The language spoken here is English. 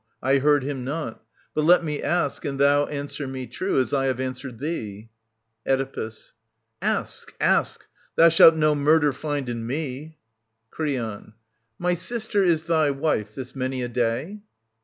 I heard him not. — But let me ask and thou Answer me true, as I have answered thee. Oedipus. Ask, ask ! Thou shalt no murder find in me. i^ ,v Creon. My sister is thy wife this many a day